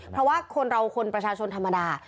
เพราะว่าคนเราคนประชาชนธรรมดา